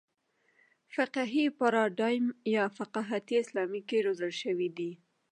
فقهي پاراډایم یا فقاهتي اسلام کې روزل شوي دي.